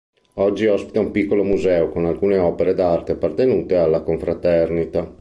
Oggi ospita un piccolo museo con alcune opere d'arte appartenute alla Confraternita.